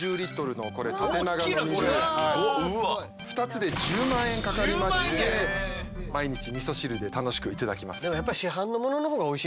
２つで１０万円かかりまして毎日味噌汁で楽しく頂きます。